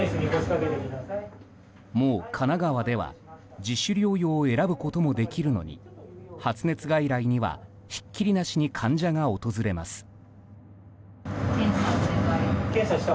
もう神奈川では自主療養を選ぶこともできるのに発熱外来にはひっきりなしに患者が訪れます。